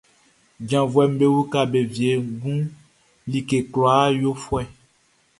Janvuɛʼm be uka be wiengu, like kwlaa yo fɛ.